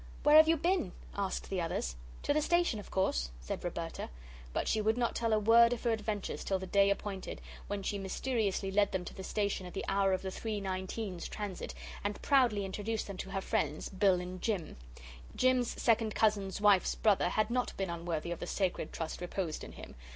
"Where have you been?" asked the others. "To the station, of course," said Roberta. But she would not tell a word of her adventures till the day appointed, when she mysteriously led them to the station at the hour of the 3.19's transit, and proudly introduced them to her friends, Bill and Jim. Jim's second cousin's wife's brother had not been unworthy of the sacred trust reposed in him.